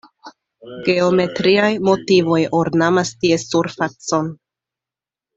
Geometriaj motivoj ornamas ties surfacon.